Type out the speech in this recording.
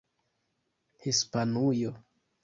Hispanujo